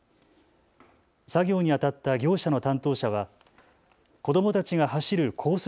作業にあたった業者の担当者は子どもたちが走るコース